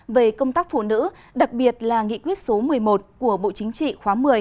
về công tác phụ nữ đặc biệt là nghị quyết số một mươi một của bộ chính trị khóa một mươi